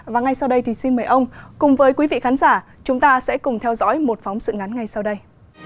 và ngay sau đây thì xin mời ông cùng với quý vị khán giả chúng ta sẽ cùng theo dõi một phóng sự ngắn ngay sau đây